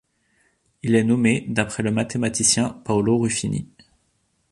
Il est nommé d'après le mathématicien Paolo Ruffini.